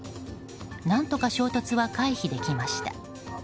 何とか衝突は回避できました。